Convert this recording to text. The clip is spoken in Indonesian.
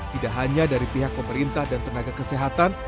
tidak hanya dari pihak pemerintah dan tenaga kesehatan